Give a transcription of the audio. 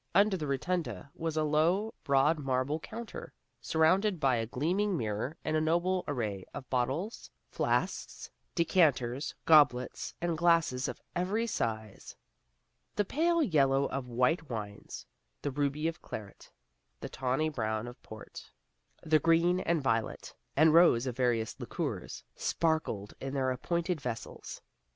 Under the rotunda was a low, broad marble counter, surmounted by a gleaming mirror and a noble array of bottles, flasks, decanters, goblets and glasses of every size. The pale yellow of white wines, the ruby of claret, the tawny brown of port, the green and violet and rose of various liqueurs, sparkled in their appointed vessels.